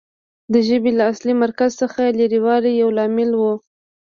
د ژبې له اصلي مرکز څخه لرې والی یو لامل و